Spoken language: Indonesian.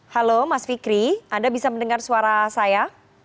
halo mas fikri anda bisa mendengar suara saya